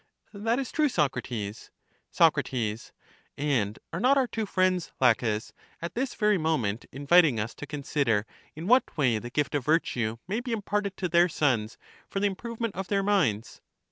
That is true, Socrates. Soc, And are not our two friends, Laches, at this very moment inviting us to consider in what way the gift of virtue may be imparted to their sons for the improvement of their minds?